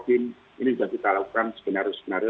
ini sudah kita lakukan sebenarnya